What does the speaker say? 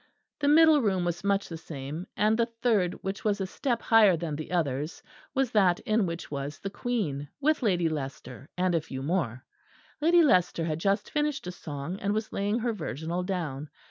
The middle room was much the same; and the third, which was a step higher than the others, was that in which was the Queen, with Lady Leicester and a few more. Lady Leicester had just finished a song, and was laying her virginal down.